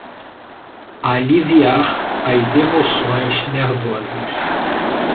Aliviar as emoções nervosas